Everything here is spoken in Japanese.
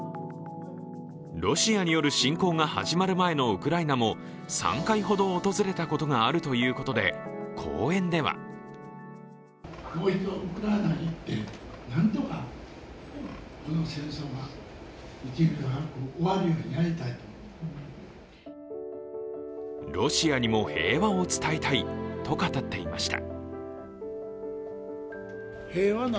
ロシアによる侵攻が始まる前のウクライナも３回ほど訪れたことがあるということで、講演ではロシアにも平和を伝えたいと語っていました。